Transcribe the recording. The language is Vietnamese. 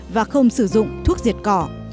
và không sử dụng thuốc diệt cỏ